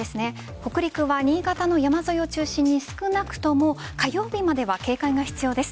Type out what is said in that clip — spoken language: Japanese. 北陸は新潟の山沿いを中心に少なくとも火曜日までは警戒が必要です。